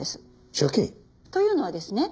借金？というのはですね